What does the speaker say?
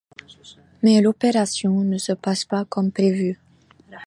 Mais l'opération ne se passe pas comme prévu.